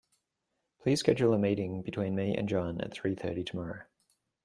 Please schedule a meeting between me and John at three thirty tomorrow.